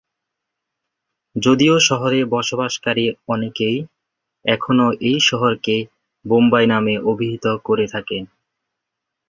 যদিও শহরে বসবাসকারী অনেকেই এখনও এই শহরকে "বোম্বাই" নামে অভিহিত করে থাকেন।